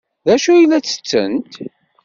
D acu ay la ttettent?